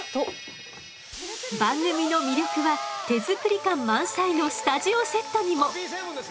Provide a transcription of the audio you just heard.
番組の魅力は手作り感満載のスタジオセットにも。